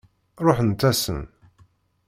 Ṛuḥent-asen.